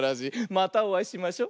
またおあいしましょ。